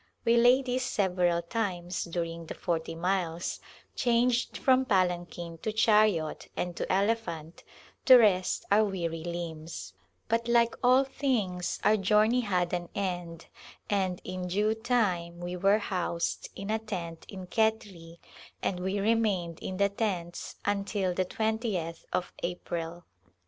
We ladies several times during the forty miles changed from palanquin to chariot and to elephant to rest our weary limbs, but like all [i6i] A Glimpse of India things our journcv had an end and in due time we were housed in a tent in Khetri, and we remained in tents until the 20th of April.